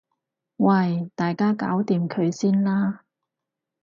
喂大家搞掂佢先啦